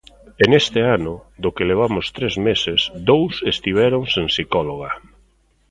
E neste ano, do que levamos tres meses, dous estiveron sen psicóloga.